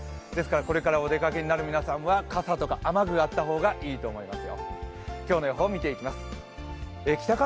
これからお出かけになる皆さんは傘とか雨具があった方がいいと思います。